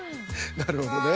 なるほどね。